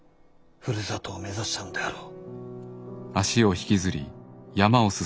ふるさとを目指したのであろう。